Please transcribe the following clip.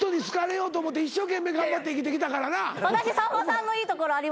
私さんまさんのいいところあります。